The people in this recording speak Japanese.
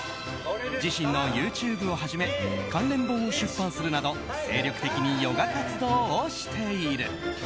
自身のＹｏｕＴｕｂｅをはじめ関連本を出版するなど積極的にヨガ活動をしている。